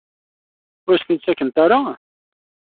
Ur as-ten-id-tettakemt ara?